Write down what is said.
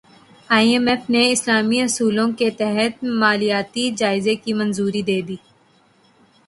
ائی M F نے اسلامی اصولوں کے تحت مالیاتی جائزے کی منظوری دے دی